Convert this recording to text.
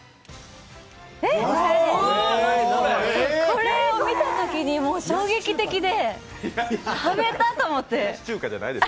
これを見たときに衝撃的で、食べたいと思って。